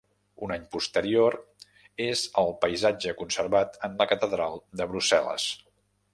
Un any posterior és el paisatge conservat en la catedral de Brussel·les.